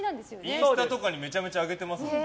インスタとかにめちゃめちゃ上げてますよね。